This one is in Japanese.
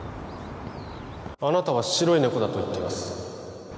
あなたは白いねこだと言ってます